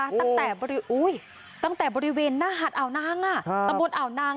ตั้งแต่โอ้โหตั้งแต่บริเวณหน้าหาดอ่านางอ่ะค่ะตำบลอ่านาง